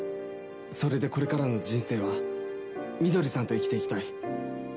それで、これからの人生は翠さんと生きていきたい。